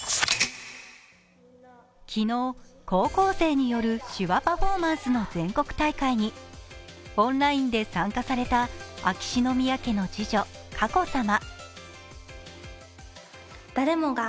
昨日、高校生による手話パフォーマンスの全国大会にオンラインで参加された秋篠宮家の次女・佳子さま。